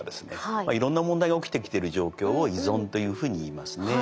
いろんな問題が起きてきてる状況を依存というふうに言いますね。